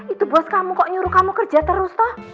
itu bos kamu kok nyuruh kamu kerja terus toh